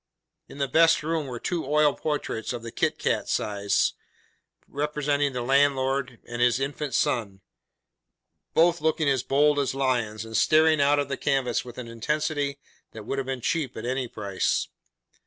In the best room were two oil portraits of the kit cat size, representing the landlord and his infant son; both looking as bold as lions, and staring out of the canvas with an intensity that would have been cheap at any price.